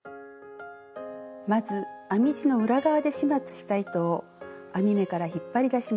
まず編み地の裏側で始末した糸を編み目から引っ張り出します。